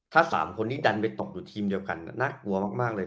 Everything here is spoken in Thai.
ถ้า๓คนนี้ดันไปตกอยู่ทีมเดียวกันน่ากลัวมากเลย